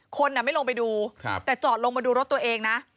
คนไม่ลงไปดูแต่จอดลงมาดูรถตัวเองนะ